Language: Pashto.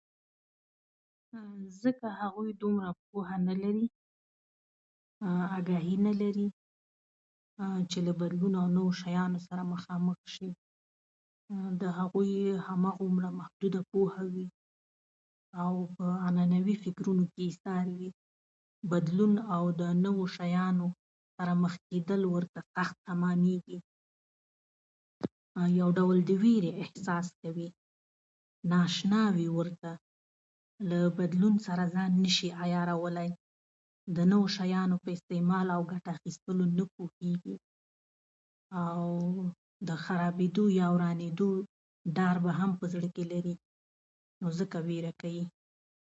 ځکه هغوی دومره پوهه نه لري، اګاهي نه لري، چې له غبرګون او نورو شیانو سره مخامخ شي. د هغوی همدومره محدوده پوهه وي او په عنعنوي فکرونو کې ایسار وي د بدلون او نویو شیانو رامخکې کيدل ورته سخت تمامېږي، يو ډول د ويرې احساس کوي. نااشنا وي ورته. له بدلون سره ځان نه شي عیارولی. د نويو شیانو په استعمال او ګټه اخیسلو نه پوهېږي. د خرابېدو او ورانېدو ډار به هم په زړه کې لري او ځکه وېره کوي.